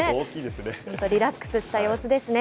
本当、リラックスした様子ですね。